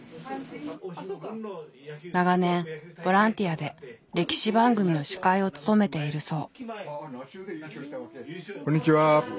長年ボランティアで歴史番組の司会を務めているそう。